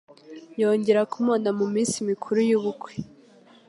Yongera kumubona mu minsi mikuru y'ubukwe.